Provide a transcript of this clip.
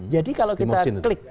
jadi kalau kita klik